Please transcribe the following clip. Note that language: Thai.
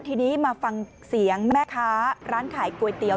ทีนี้มาฟังเสียงแม่ค้าร้านขายก๋วยเตี๋ย